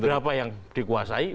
berapa yang dikuasai